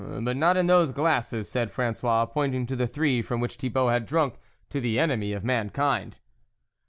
"But not in those glasses," said Fran9ois, pointing to the three from which Thibault had drunk to the enemy of mankind.